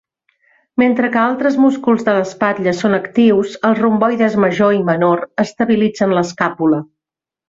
Mentre que altres músculs de l'espatlla són actius, els romboides major i menor estabilitzen l'escàpula.